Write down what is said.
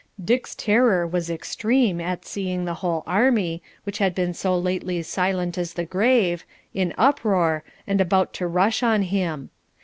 Dick's terror was extreme at seeing the whole army, which had been so lately silent as the grave, in uproar, and about to rush on him.